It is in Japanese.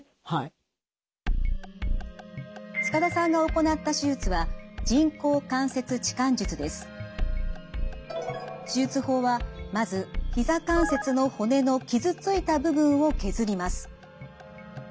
塚田さんが行った手術は手術法はまずひざ関節の骨の傷ついた部分を削ります。